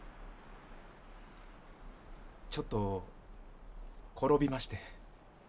ちょっと転びまして。